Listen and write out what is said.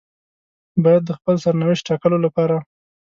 بايد د خپل سرنوشت ټاکلو لپاره.